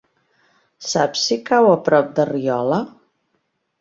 Saps si cau a prop de Riola?